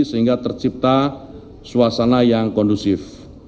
sehingga tercipta suasana yang kondusif